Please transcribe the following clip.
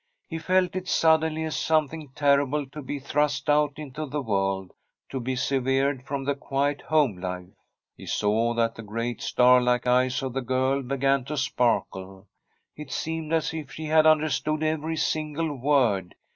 He felt it suddenly as something terrible to be thrust out into the world, to be severed from the quiet home life. He saw that the g^eat, star like eyes of the girl began to sparkle. It seemed as if she had understood every single word.